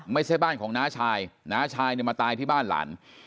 ไม่ใช่บ้านของน้าชายน้าชายเนี่ยมาตายที่บ้านหลาน